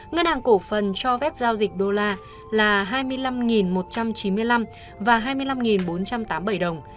ngân hàng cổ phần cho phép giao dịch đô la là hai mươi năm một trăm chín mươi năm và hai mươi năm bốn trăm tám mươi bảy đồng